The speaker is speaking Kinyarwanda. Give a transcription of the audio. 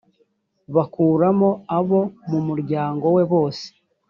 bakuramo abo mu muryango we bose